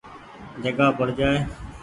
جگآ پڙ جآئي۔